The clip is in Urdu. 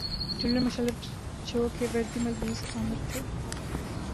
جنرل مشرف جوکہ وردی ملبوس آمر تھے۔